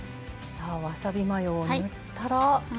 さあわさびマヨを塗ったら。